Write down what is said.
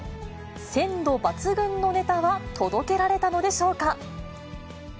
鮮度抜群のネタは届けられたのでしょうか。